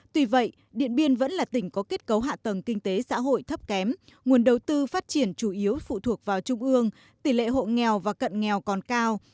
tuy vậy điện biên vẫn là tỉnh có kết cấu hạ tầng kinh tế xã hội thấp kém nguồn đầu tư phát triển chủ yếu phụ thuộc vào trung ương tỷ lệ hộ nghèo và cận nghèo còn cao